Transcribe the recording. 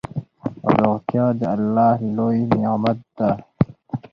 روغتيا دالله لوي نعمت ده